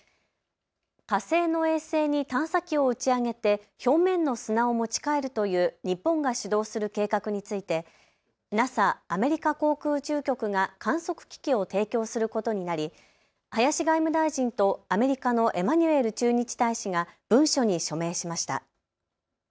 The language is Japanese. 火星の衛星に探査機を打ち上げて表面の砂を持ち帰るという日本が主導する計画についてＮＡＳＡ・アメリカ航空宇宙局が観測機器を提供することになり林外務大臣とアメリカのエマニュエル駐日大使が文書に署名しました。